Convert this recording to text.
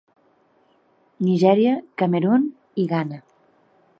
Nigèria, Camerun i Ghana.